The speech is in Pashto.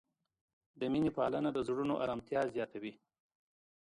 د مینې پالنه د زړونو آرامتیا زیاتوي.